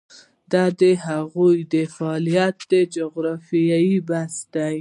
د هغوی د فعالیت د جغرافیې بحث دی.